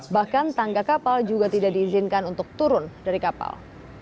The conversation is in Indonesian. bahkan tangga kapal juga tidak diizinkan untuk turun dari kapal